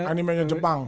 anime nya jepang